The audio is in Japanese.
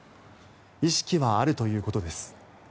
意識はあるということです。